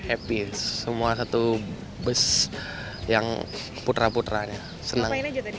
happy semua satu bus yang putra putranya senang